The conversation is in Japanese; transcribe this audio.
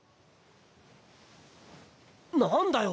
何だよ！